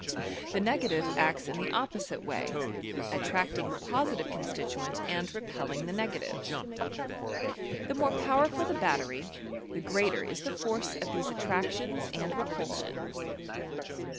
The negative acts in the oppo wte way, attracting the positive constituent and re pelling the negative. The more powerful the bat tery, the greater is the force of these attractions aad repulsions.